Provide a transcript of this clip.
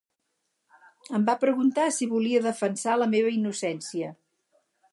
Em va preguntar si volia defensar la meva innocència?